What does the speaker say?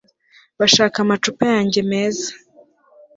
bashaka amacupa yanjye meza